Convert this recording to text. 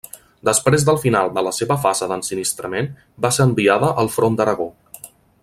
Després del final de la seva fase d'ensinistrament va ser enviada al front d'Aragó.